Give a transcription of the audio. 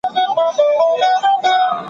د تحقيق پرته پريکړه کول مو پښيمانوي.